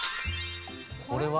これは？